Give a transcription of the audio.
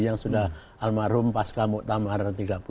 yang sudah almarhum pasca mu'tammar tiga puluh tiga